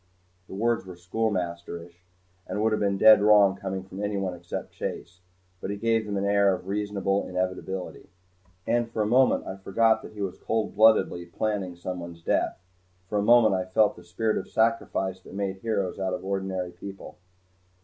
The words were schoolmasterish and would have been dead wrong coming from anyone except Chase. But he gave them an air of reasonable inevitability. And for a moment I forgot that he was cold bloodedly planning someone's death. For a moment I felt the spirit of sacrifice that made heroes out of ordinary people.